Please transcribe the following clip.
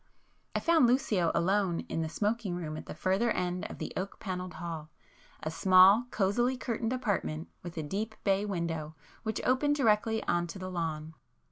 I found Lucio alone in the smoking room at the further end of the oak panelled hall, a small cosily curtained apartment with a deep bay window which opened directly on to the lawn.